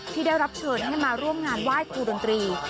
ที่ได้รับเชิญให้มาร่วมงานไหว้ครูดนตรี